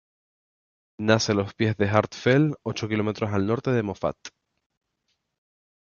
Nace a los pies del Hart Fell, ocho kilómetros al norte de Moffat.